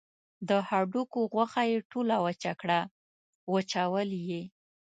د هډوکو غوښه یې ټوله وچه کړه وچول یې.